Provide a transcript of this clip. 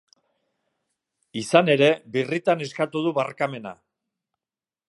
Izan ere, birritan eskatu du barkamena.